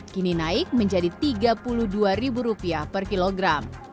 kini naik menjadi rp tiga puluh dua per kilogram